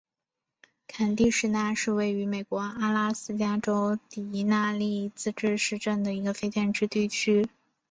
坎蒂什纳是位于美国阿拉斯加州迪纳利自治市镇的一个非建制地区。